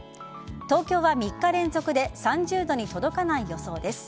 東京は３日連続で３０度に届かない予想です。